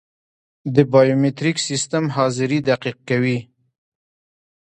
د بایومتریک سیستم حاضري دقیق کوي